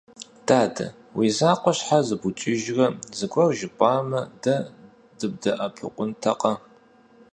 Дадэ, уи закъуэ щхьэ зыбукӀыжрэ, зыгуэр жыпӀамэ, дэ дыбдэӀэпыкъунтэкъэ?